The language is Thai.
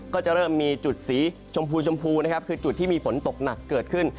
ก็จะเริ่มมีจุดสีชมพูคือจุดที่มีฝนตกหนักเกิดขึ้น